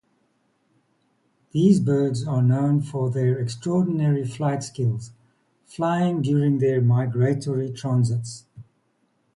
These birds are known for their extraordinary flight skills, flying during their migratory transits.